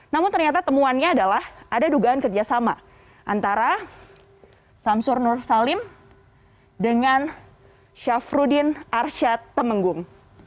namun ternyata temuannya adalah ada dugaan kerjasama antara samsur nur salim dengan syafruddin arsyad temenggung